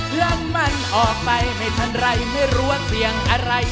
เพื่อมันออกไปไม่ทันไรไม่รู้ว่าเสียงอะไร